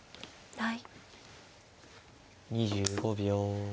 はい。